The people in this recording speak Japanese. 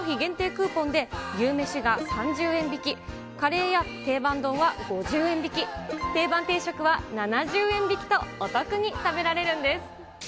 クーポンで牛めしが３０円引き、カレーや定番丼は５０円引き、定番定食は７０円引きと、お得に食べられるんです。